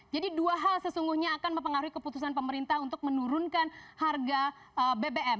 jadi dua hal sesungguhnya akan mempengaruhi keputusan pemerintah untuk menurunkan harga bbm